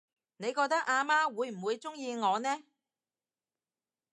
你覺得阿媽會唔會鍾意我呢？